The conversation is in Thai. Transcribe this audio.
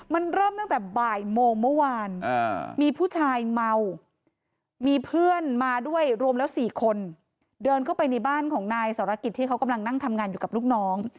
มันเริ่มตั้งแต่บ่ายโมงเมื่อวานมีผู้ชายเมามีเพื่อนมาด้วยรวมแล้ว๔คนเดินเข้าไปในบ้านของนายสรกิจที่เขากำลังนั่งทำงานอยู่กับลูกน้อง